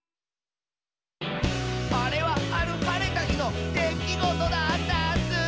「あれはあるはれたひのできごとだったッスー」